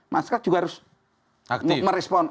masyarakat juga harus merespon